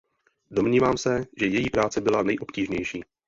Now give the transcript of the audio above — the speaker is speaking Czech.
Domnívám se, že její práce byla nejobtížnější.